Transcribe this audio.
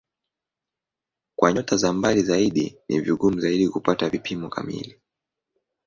Kwa nyota za mbali zaidi ni vigumu zaidi kupata vipimo kamili.